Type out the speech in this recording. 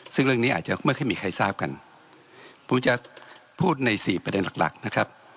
ซึ่งเรื่องนี้อาจจะไม่ค่อยมีใครทราบกันผมจะพูดในสี่ประเด็นหลักหลักนะครับ